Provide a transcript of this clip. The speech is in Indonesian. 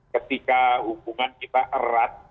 ketika hubungan kita erat